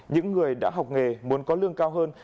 những người đã học nghề muốn có lương cao hơn